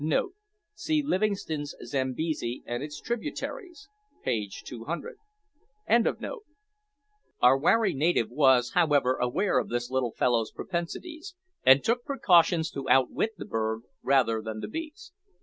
[See Livingstone's Zambesi and its Tributaries, page 200.] Our wary native was, however, aware of this little fellow's propensities, and took precautions to outwit the bird rather than the beast.